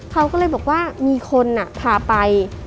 เขาก็เลยบอกว่ามีคนพาไป